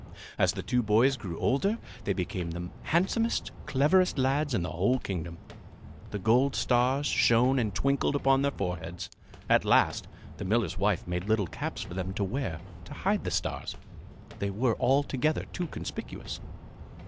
As the two boys grew older they became the handsomest, cleverest lads in the whole kingdom. The gold stars shone and twinkled upon their foreheads. At last the miller's wife made little caps for them to wear to hide the stars. They were altogether too conspicuous.